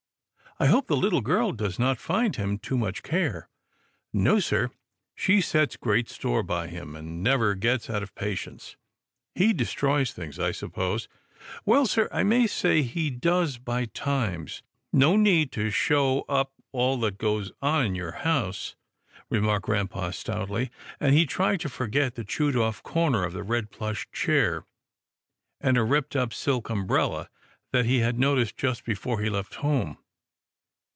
" I hope the little girl does not find him too much care." " No sir, she sets great store by him, and never gets out of patience." " He destroys things, I suppose." " Well sir, I may say he does by times — no need to show up all that goes on in your house," remarked grampa stoutly, and he tried to forget the chewed off corner of the red plush chair, and a ripped up silk umbrella that he had noticed just before he left home.